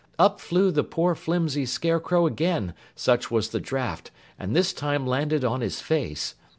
Up flew the poor flimsy Scarecrow again, such was the draught, and this time landed on his face.